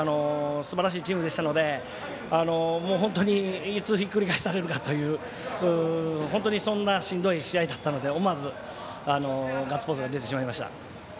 すばらしいチームでしたので本当にいつひっくり返されるかという本当に、そんなしんどい試合だったので思わずガッツポーズが出てしまいました。